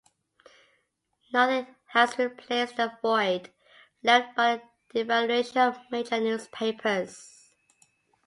Nothing has replaced the void left by the devaluation of major newspapers.